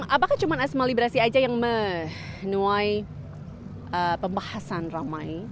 apakah cuma asma liberasi aja yang menuai pembahasan ramai